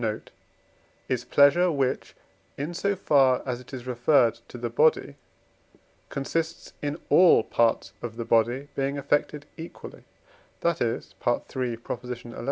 note) is pleasure, which, in so far as it is referred to the body, consists in all parts of the body being affected equally: that is (III. xi.)